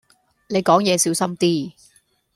你講野小心啲